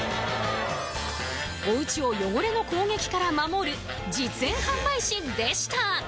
お家を汚れの攻撃から守る実演販売士でした！